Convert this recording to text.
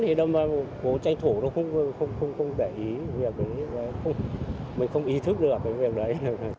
thì bố tranh thủ nó không để ý mình không ý thức được cái việc đấy